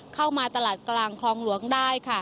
เข้ามาตลาดกลางคลองหลวงได้ค่ะ